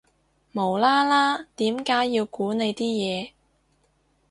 無啦啦點解要估你啲嘢